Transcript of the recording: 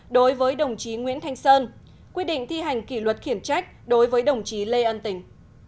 đối với đồng chí nguyễn thanh sơn quyết định thi hành kỷ luật khiển trách đối với đồng chí lê ân tình